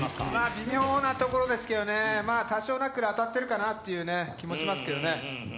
微妙なところですけどね、多少、ナックルが当たってるかなという気がしますけどね。